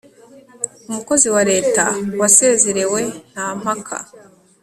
umukozi wa leta wasezerewe nta mpaka